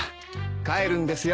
帰るんですよ。